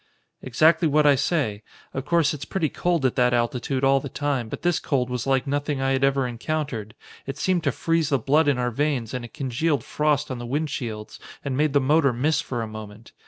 "Exactly what I say. Of course, it's pretty cold at that altitude all the time, but this cold was like nothing I had ever encountered. It seemed to freeze the blood in our veins and it congealed frost on the windshields and made the motor miss for a moment.